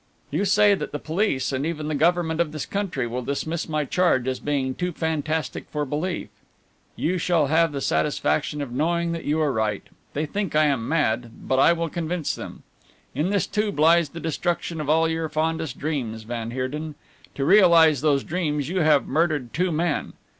"You say that the police and even the government of this country will dismiss my charge as being too fantastic for belief. You shall have the satisfaction of knowing that you are right. They think I am mad but I will convince them! In this tube lies the destruction of all your fondest dreams, van Heerden. To realize those dreams you have murdered two men.